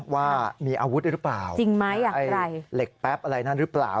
ว่ามีอาวุธหรือเปล่าจริงไหมอะไรเหล็กแป๊บอะไรนั่นหรือเปล่า